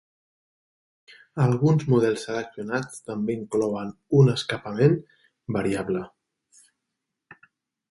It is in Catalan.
Alguns models seleccionats també inclouen un escapament variable.